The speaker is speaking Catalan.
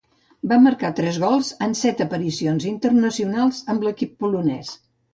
Va marcar tres gols en set aparicions internacionals amb l'equip polonès.